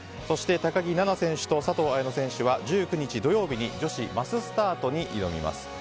そして高木菜那選手と佐藤綾乃選手は１９日土曜日に女子マススタートに挑みます。